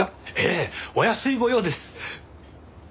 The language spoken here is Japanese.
ええお安い御用です。